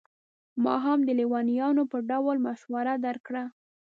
ما هم د لېونیانو په ډول مشوره درکړه.